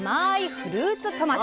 フルーツトマト。